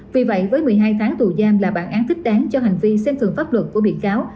vì vậy với một mươi hai tháng tù giam là bản án thích đáng cho hành vi xem thường pháp luật của bị cáo